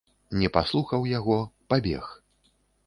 Не паслухаў яго, пабег.